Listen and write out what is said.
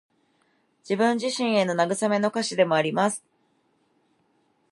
自分自身への慰めの歌詞でもあります。